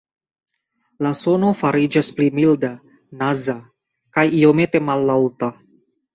La sono fariĝas pli milda, "naza" kaj iomete mallaŭta.